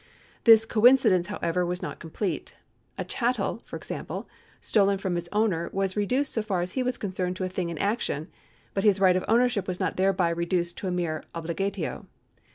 This coincidence, however, was not complete. A chattel, for example, stolen from its owner was reduced, so far as he was concerned, to a thing in action ; but his right of ownership was not thereby reduced to a mere obligatio.